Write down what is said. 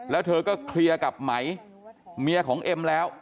แล้วเธอก็เคลียร์กับไหมเมียของเอ็มแล้ว